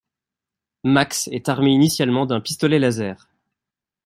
Max est armé initialement d'un pistolet laser.